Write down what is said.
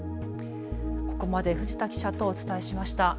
ここまで藤田記者とお伝えしました。